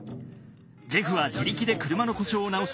ジェフは自力で車の故障を直し